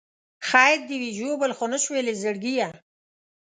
خیر دې وي ژوبل خو نه شولې زړګیه.